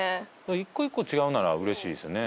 １個１個違うなら嬉しいですよね